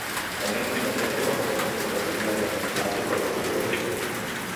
Honekin batera, doako kontzertuak egitearen aldeko apustua berretsi du.